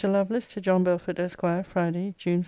LOVELACE, TO JOHN BELFORD, ESQ. FRIDAY, JUNE 2.